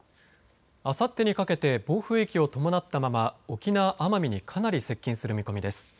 あさってにかけて暴風域を伴ったまま沖縄、奄美にかなり接近する見込みです。